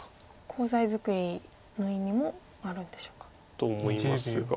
コウ材作りの意味もあるんでしょうか。と思いますが。